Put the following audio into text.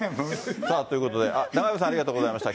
さあ、ということで、中山さん、ありがとうございました。